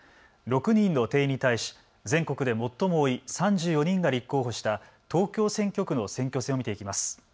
６人の定員に対し全国で最も多い３４人が立候補した東京選挙区の選挙戦を見ていきます。